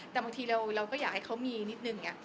แต่บางทีเราก็อยากให้เขามีนิดนึง